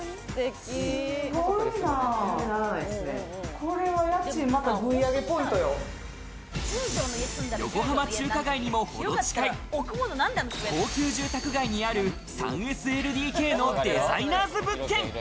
これは家賃、横浜中華街にも程近い、高級住宅街にある３ＳＬＤＫのデザイナーズ物件。